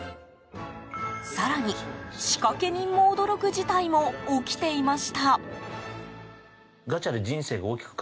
更に、仕掛け人も驚く事態も起きていました。